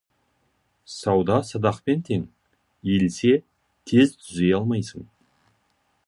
Сауда садақпен тең, иілсе, тез түзей алмайсың.